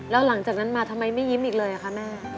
แล้วหลังจากนั้นมาทำไมไม่ยิ้มอีกเลยคะแม่